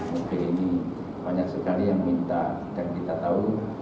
mobil ini banyak sekali yang minta dan kita tahu